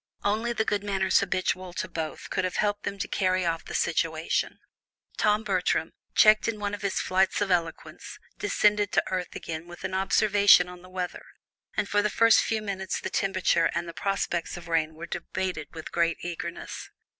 Only the good manners habitual to both could have helped them to carry off the situation. Tom Bertram, checked in one of his flights of eloquence, descended to earth again with an observation on the weather, and for the next few minutes the temperature and the prospects of rain were debated with great earnestness.